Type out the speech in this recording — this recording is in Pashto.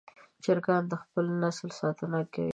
چرګان د خپل نسل ساتنه کوي.